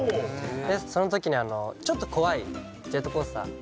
でその時にちょっと怖いジェットコースターあって。